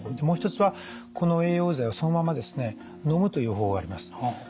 もう一つはこの栄養剤をそのままですねのむという方法があります。